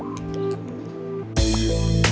เพื่อเถอะ